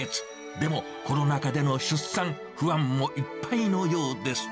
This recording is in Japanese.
でも、コロナ禍での出産、不安もいっぱいのようです。